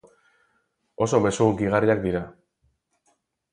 Oso mezu hunkigarriak dira.